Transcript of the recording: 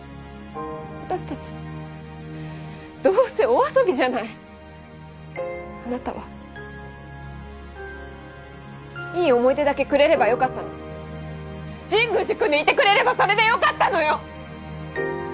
私たちどうせお遊びじゃないあなたはいい思い出だけくれればよかったの神宮寺くんでいてくれればそれでよかったのよ